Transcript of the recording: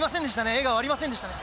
笑顔ありませんでしたね。